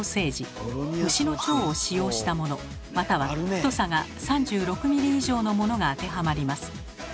牛の腸を使用したものまたは太さが３６ｍｍ以上のものが当てはまります。